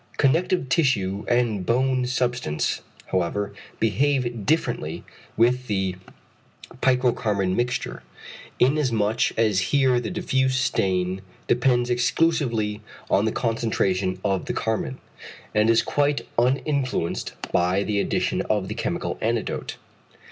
Connective tissue and bone substance, however, behave differently with the picro carmine mixture, in as much as here the diffuse stain depends exclusively on the concentration of the carmine, and is quite uninfluenced by the addition of a chemical antidote.